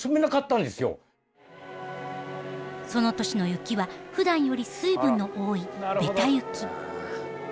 その年の雪はふだんより水分の多いベタ雪。